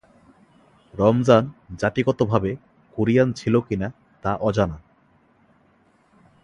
রমজান জাতিগতভাবে কোরিয়ান ছিল কিনা তা অজানা।